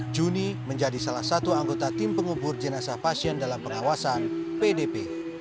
juni menjadi salah satu anggota tim pengubur jenazah pasien dalam pengawasan pdp